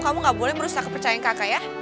kamu gak boleh merusak kepercayaan kakak ya